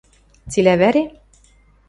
— Цилӓ вӓре?